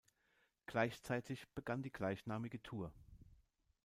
Gleichzeitig begann die gleichnamige Tour.